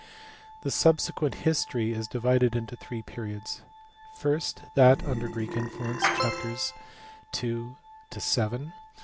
The subsequent history is divided into three periods: first, that under Greek influence, chapters II. to VII.